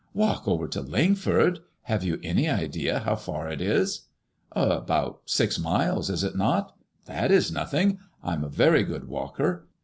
" Walk over to Lingford I Have you any idea how far it is?'* ''About six miles, is it not? That is nothing. I am a very good walker.